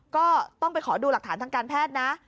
ก็ต้องไปขอดูหลักฐานทางการแพทย์นะ